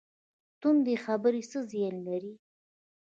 تندې خبرې څه زیان لري؟